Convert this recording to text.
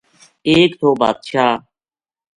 ایک تھو بادشاہ